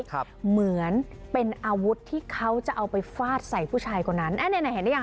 เหมือนเป็นอาวุธที่เขาจะเอาไปฟาดใส่ผู้ชายคนนั้นอ่ะเนี้ยไหนเห็นได้ยัง